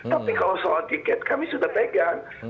tapi kalau soal tiket kami sudah pegang